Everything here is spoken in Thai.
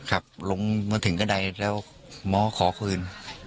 ครับลงมาถึงกระดายแล้วหมอขอคืน